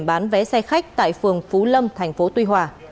để bán vé xe khách tại phường phú lâm tp tuy hòa